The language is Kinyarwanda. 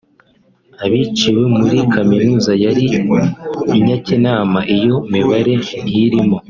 abiciwe muri Kaminuza yari I Nyakinama iyo mibare ntirimo